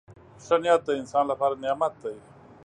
• ښه نیت د انسان لپاره نعمت دی.